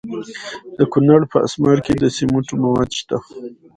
د کونړ په اسمار کې د سمنټو مواد شته.